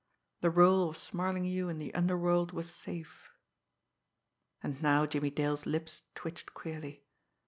The rôle of "Smarlinghue" in the underworld was safe. And now Jimmie Dale's lips twitched queerly.